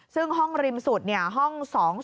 ซึ่งห้องริมสุดห้อง๒๐